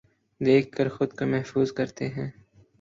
دیکھ کر خود کو محظوظ کرتے ہیں